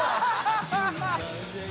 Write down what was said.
ハハハ